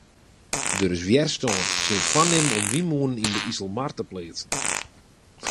Der is wjerstân tsjin it foarnimmen om wynmûnen yn de Iselmar te pleatsen.